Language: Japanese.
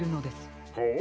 ほう。